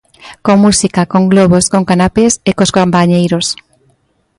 Con música, con globos, con canapés e cos compañeiros.